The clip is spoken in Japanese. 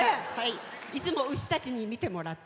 いつも牛たちに見てもらって。